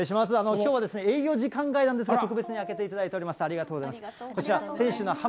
きょうは営業時間外なんですけれども、特別に開けていただいております。